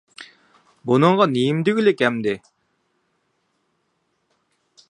بۇنىڭغا نېمە دېگۈلۈك ئەمدى!